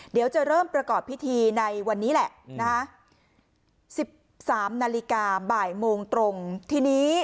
เดี๋ยวจะเริ่มประกอบพิธีในวันนี้แหละนะคะ๑๓นาฬิกาบ่ายโมงตรงทีนี้